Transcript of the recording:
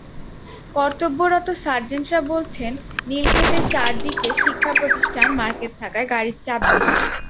কর্তব্যরত সার্জেন্টরা বলছেন, নীলক্ষেতের চারদিকে শিক্ষাপ্রতিষ্ঠান, মার্কেট থাকায় গাড়ির চাপ বেশি।